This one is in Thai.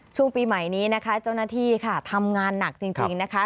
ช่วงปีใหม่นี้นะคะเจ้าหน้าที่ค่ะทำงานหนักจริงนะคะ